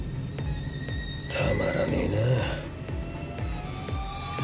たまらねぇな。